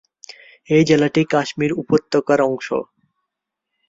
এই জেলাটি কাশ্মীর উপত্যকার অংশ।